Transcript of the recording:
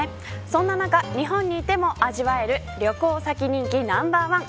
そんな中、日本にいても味わえる旅行先人気ナンバーワン。